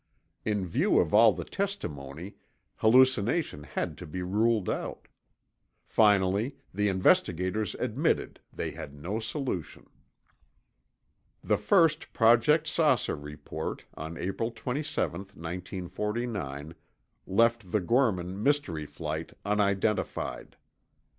In view of all the testimony, hallucination had to he ruled out. Finally, the investigators admitted they had no solution. The first Project "Saucer" report, on April 27, 1949, left the Gorman "mystery light" unidentified.